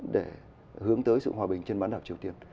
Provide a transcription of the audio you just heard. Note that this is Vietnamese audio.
để hướng tới sự hòa bình trên bán đảo triều tiên